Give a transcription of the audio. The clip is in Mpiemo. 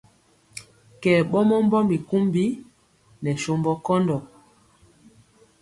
Kɛ ɓɔmɔ mbɔmbi kumbi nɛ sombɔ kɔndɔ.